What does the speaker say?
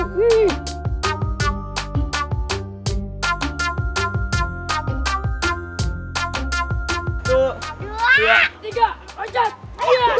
satu dua tiga lancet